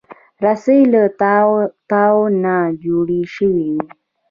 رسۍ له تاو تاو نه جوړه شوې وي.